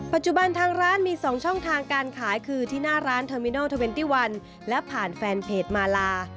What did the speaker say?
ปัจจุบันทางร้านมี๒ช่องทางการขายคือที่หน้าร้านเทอร์มินอลเทอร์เนตี้วันและผ่านแฟนเพจมาลา